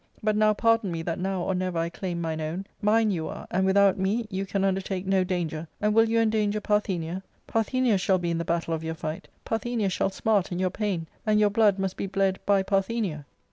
But now pardon me that now or never I claim mine own ; mine you are, and without me you can undertake no danger, and will you endanger Parthenia? Parthenia shall be in the battle of your fight, Parthenia shall smart in your pain, and your blood must be bled by Parthenia."